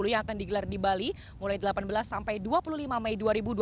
yang akan digelar di bali mulai delapan belas sampai dua puluh lima mei dua ribu dua puluh